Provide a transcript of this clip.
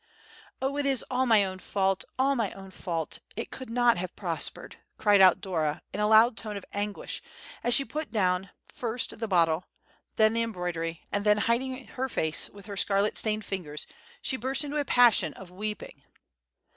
"Oh, it is all my own fault—all my own fault—it could not have prospered!" cried out Dora, in a loud tone of anguish, as she put down first the bottle, then the embroidery, and then, hiding her face with her scarlet stained fingers, she burst into a passion of weeping.